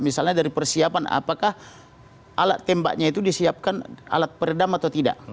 misalnya dari persiapan apakah alat tembaknya itu disiapkan alat peredam atau tidak